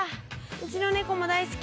うちの猫も大好き。